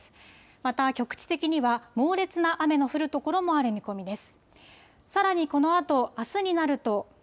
また局地的には、猛烈な雨の降る所もある見込みです。